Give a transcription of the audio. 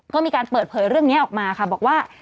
ก็มีการเปิดเผยเรื่องนี้ออกมาค่ะบอกว่า